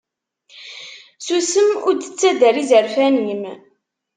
Susem ur d-ttader izerfan-im.